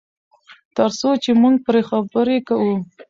تر څو چې موږ پرې خبرې کوو.